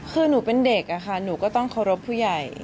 คือหนูเป็นเด็กอะค่ะหนูก็ต้องเคารพผู้ใหญ่